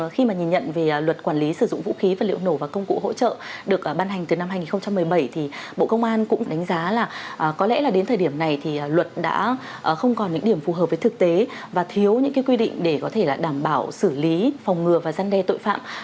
khi mà nhìn nhận về luật quản lý sử dụng vũ khí vật liệu nổ và công cụ hỗ trợ được ban hành từ năm hai nghìn một mươi bảy thì bộ công an cũng đánh giá là có lẽ là đến thời điểm này thì luật đã không còn những điểm phù hợp với thực tế và thiếu những quy định để có thể là đảm bảo xử lý phòng ngừa và giăn đe tội phạm